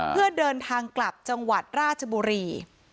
เพื่อเดินทางกลับจังหวัดราชบุรี